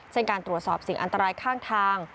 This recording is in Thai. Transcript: การตรวจสอบสิ่งอันตรายข้างทาง